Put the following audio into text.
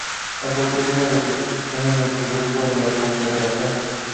Tampoco tiene representación en el congreso de la confederación.